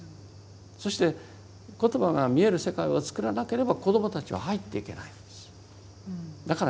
そして言葉が見える世界を作らなければ子どもたちは入っていけないんです。